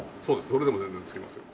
それでも全然つきますよ。